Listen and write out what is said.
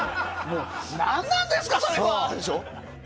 何なんですかそれは！でしょ？